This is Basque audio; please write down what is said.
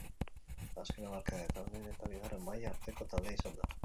Azken hamarkadetan lehen eta bigarren maila arteko taldea izan da.